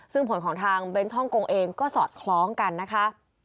ซึ่งผลของทางเบนท์ฮ่องกงเองก็สอดคล้องกันนะคะ